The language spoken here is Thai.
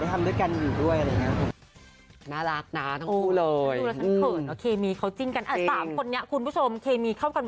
ได้ทำหลายอย่างมาก